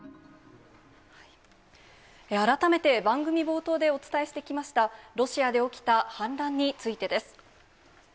改めて、番組冒頭でお伝えしてきました、ロシアで起きた反乱についてです。